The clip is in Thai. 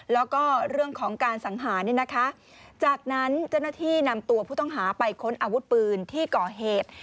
แล้วก็เรื่องของการสังหารเนี่ยนะคะจากนั้นเจ้าหน้าที่นำตัวผู้ต้องหาไปค้นอาวุธปืนที่ก่อเหตุ